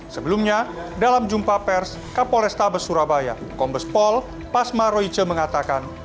sebelumnya dalam jumpa pers kapol restabes surabaya kombes pol pasma roice mengatakan